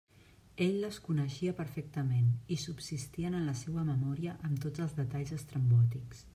Ell les coneixia perfectament, i subsistien en la seua memòria amb tots els detalls estrambòtics.